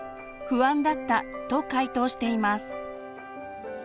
不安だったと回答しています。